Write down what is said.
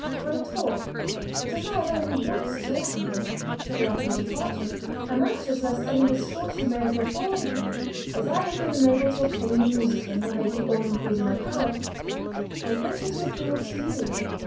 for a tour, but as I have only once heard from him, shortly after his departure, I am anxious lest any misfortune may have befallen him. As I have been unable to obtain any news of him on making all inquiries in my power, I venture to appeal to you.